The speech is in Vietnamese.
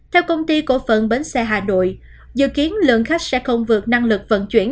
theo công ty cổ phận bến xe hà nội dự kiến lượng khách sẽ không vượt năng lực vận chuyển